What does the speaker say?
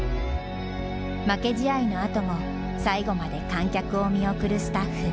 負け試合のあとも最後まで観客を見送るスタッフ。